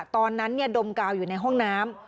ตอนนั้นดมกาวอยู่ในห้องน้ำ